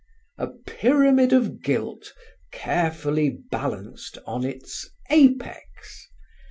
A pyramid of guilt carefully balanced on its apex!